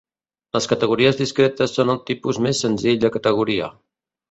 Les categories discretes són el tipus més senzill de categoria.